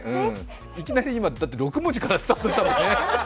いきなり今、６文字からスタートしたよね